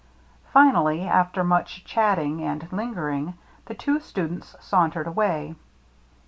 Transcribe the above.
Finally, after much chatting and lingering, the two students sauntered away.